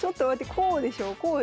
こうでしょ？